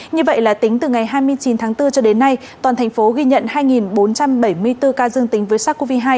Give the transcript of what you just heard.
như vậy là tính từ ngày hai mươi chín tháng bốn cho đến nay toàn thành phố ghi nhận hai bốn trăm bảy mươi bốn ca dương tính với sars cov hai